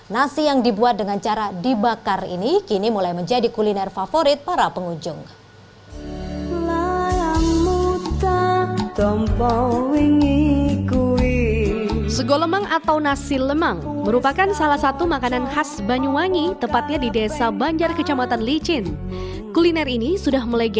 nasi yang dibuat dengan cara dibakar ini kini mulai menjadi kuliner favorit para pengunjung